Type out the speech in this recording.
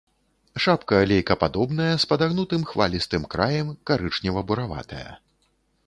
Шапка лейкападобная з падагнутым хвалістым краем, карычнева-бураватая.